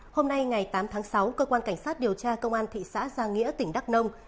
hôm nay ngày tám tháng sáu cơ quan cảnh sát điều tra công an thị xã giang nghĩa tỉnh đắk nông